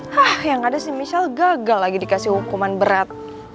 hah yang ada sih michelle gagal lagi dikasih hukuman berat